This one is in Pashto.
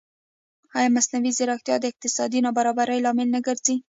ایا مصنوعي ځیرکتیا د اقتصادي نابرابرۍ لامل نه ګرځي؟